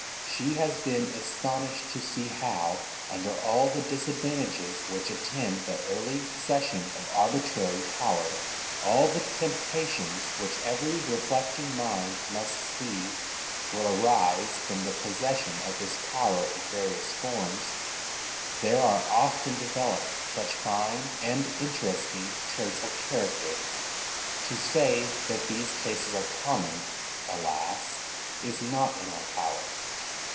She has been astonished to see how, under all the disadvantages which attend the early possession of arbitrary power, all the temptations which every reflecting mind must see will arise from the possession of this power in various forms, there are often developed such fine and interesting traits of character. To say that these cases are common, alas! is not in our power.